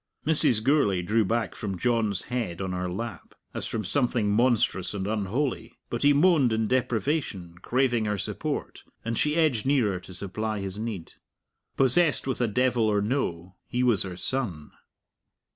Mrs. Gourlay drew back from John's head on her lap, as from something monstrous and unholy. But he moaned in deprivation, craving her support, and she edged nearer to supply his need. Possessed with a devil or no, he was her son.